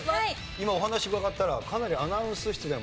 今お話伺ったらかなりアナウンス室でも。